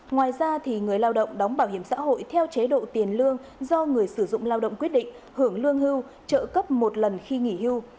ngoài ra người lao động đóng bảo hiểm xã hội theo chế độ tiền lương do người sử dụng lao động quyết định hưởng lương hưu trợ cấp một lần khi nghỉ hưu